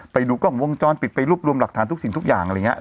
ไปดูกล้องวงจรปิดไปรวบรวมหลักฐานทุกสิ่งทุกอย่างอะไรอย่างนี้